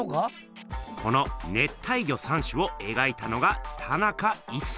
この「熱帯魚三種」をえがいたのが田中一村。